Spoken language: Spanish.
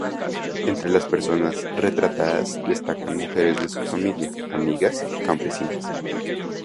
Entre las personas retratadas destacan mujeres de su familia, amigas, campesinas.